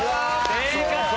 正解！